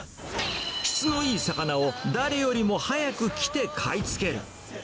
質のいい魚を誰よりも早く来て買いつける。